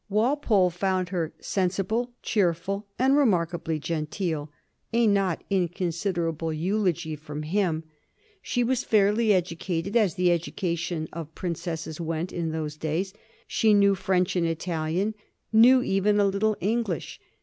Walpole found her sensible, cheerful, and remarkably genteel, a not inconsiderable eulogy from him. She was fairly educated, as the education of princesses went in those days. She knew French and Italian, knew even a little English.